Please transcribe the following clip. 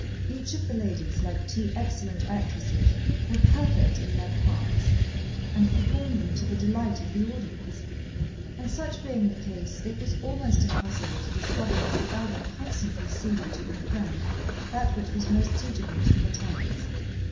Each of the ladies, like two excellent actresses, were perfect in their parts, and performed them to the delight of the audience; and such being the case, it was almost impossible to discover that the elder constantly ceded to her friend that which was most suitable to her talents.